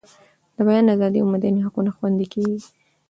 د بیان ازادي او مدني حقونه خوندي کیږي.